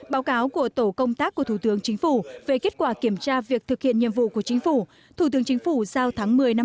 báo cáo của tổ công tác của thủ tướng chính phủ về kết quả kiểm tra việc thực hiện nhiệm vụ của chính phủ thủ tướng chính phủ giao tháng một mươi năm hai nghìn hai mươi